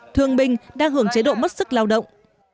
thương binh đang hưởng chế độ mất sức lao động